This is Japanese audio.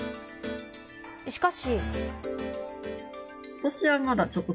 しかし。